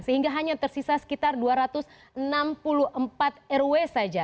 sehingga hanya tersisa sekitar dua ratus enam puluh empat rw saja